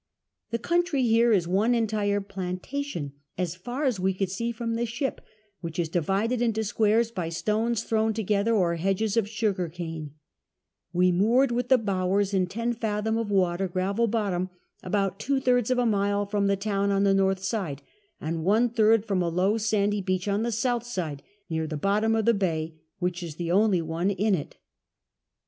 The country here is one entire plantation, as far as we could see from the ship, which is divided into squares by stones thrown together or hedges of sugar cane ; we moored with the bowers in 10 fathom of water, gravel bottom, about two thii'ils of a mile from the town on the north side, and one third from a low sandy beach on the south side ; near the bottom of the bay, which is the only one in it.